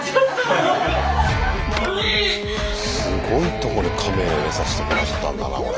すごいところカメラ入れさしてもらったんだなこれ。